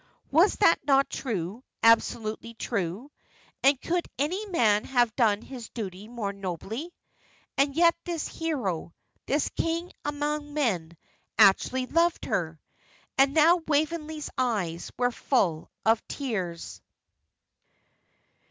Was that not true, absolutely true? and could any man have done his duty more nobly? And yet this hero, this king among men, actually loved her! And now Waveney's eyes were full of tears.